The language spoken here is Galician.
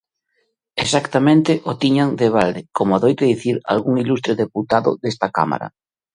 Exactamente o tiñan de balde, como adoita dicir algún ilustre deputado desta Cámara.